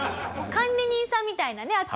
もう管理人さんみたいなね